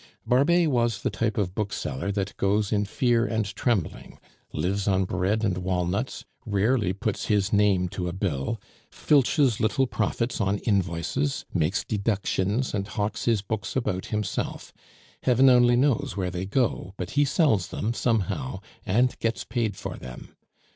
Barbet was the type of bookseller that goes in fear and trembling; lives on bread and walnuts; rarely puts his name to a bill; filches little profits on invoices; makes deductions, and hawks his books about himself; heaven only knows where they go, but he sells them somehow, and gets paid for them.